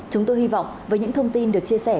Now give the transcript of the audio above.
chúng tôi hy vọng với những thông tin được chia sẻ